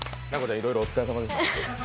いろいろお疲れさまでした。